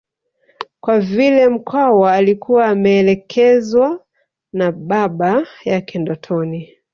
Kwa vile Mkwawa alikuwa ameelekezwa na baba yake ndotoni